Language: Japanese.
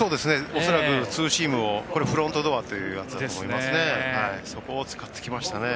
恐らくツーシームをフロントドアというやつだと思いますね。